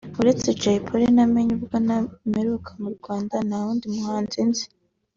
uretse Jay Polly namenye ubwo mperuka mu Rwanda nta wundi muhanzi nzi